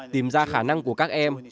tìm ra khả năng của các em